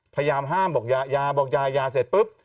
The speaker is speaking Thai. พยายามห้ามบอกยายาเสร็จปุ๊บ